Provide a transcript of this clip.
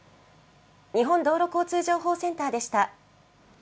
日本道路交通情報センターでした。